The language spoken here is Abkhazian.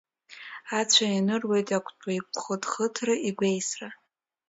Ацәа ианыруеит иақәтәоу игәхыҭхыҭра, игәеисра.